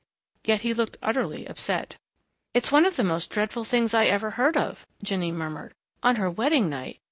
Yet he looked utterly upset. "It's one of the most dreadful things I ever heard of," Jinny murmured. "On her wedding night....